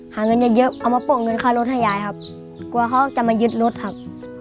หาเงินเยอะเอามาปลดเงินขาดรถให้ยายครับ